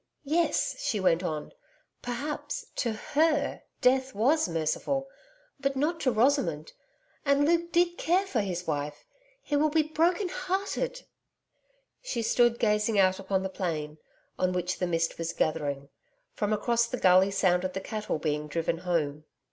'Yes,' she went on, 'perhaps, to HER Death was merciful but not to Rosamond. And Luke did care for his wife. He will be broken hearted.' She stood gazing out upon the plain, on which the mist was gathering. From across the gully sounded the cattle being driven home.